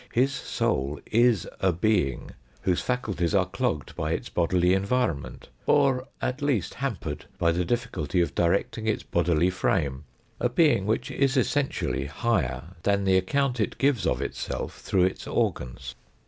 His soul is a being whose faculties are plogged by its bodily environment, or at least hampered by the difficulty of directing its bodily frame a being which is essentially higher than the account it gives of itself through its organs.